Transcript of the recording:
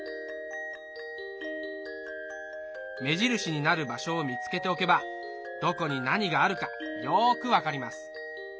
目印になる場所を見つけておけばどこに何があるかよく分かります。